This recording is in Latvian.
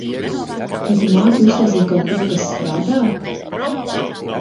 Vai tu māki uztaisīt kaut ko kas strādā?